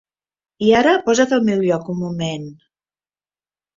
I ara posa't al meu lloc un moment.